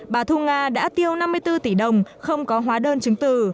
bà thu nga đã tiêu năm mươi bốn tỷ đồng không có hóa đơn chứng từ